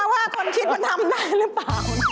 ว่าคนคิดมันทำได้หรือเปล่า